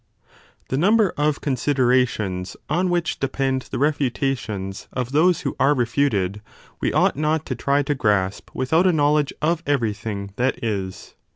9 The number of considerations on which depend the ao refutations of those who are refuted, we ought not to try to grasp without a knowledge of everything that is.